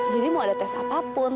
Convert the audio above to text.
jadi mau ada tes apapun